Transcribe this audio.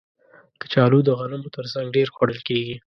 کچالو د غنمو تر څنګ ډېر خوړل کېږي